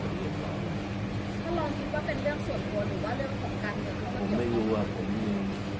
ก็ลองนิดว่าเป็นเรื่องส่วนโดยหรือว่าเรื่องของการเหยียบร้อย